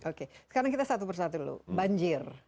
oke sekarang kita satu persatu dulu banjir